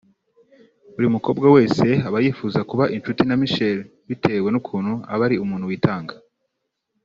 Buri mukobwa wese aba yifuza kuba inshuti na Michel bitewe n’ukuntu aba ari umuntu witanga